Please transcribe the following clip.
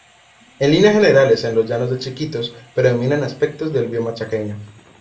En líneas generales en los Llanos de Chiquitos predominan aspectos del bioma chaqueño.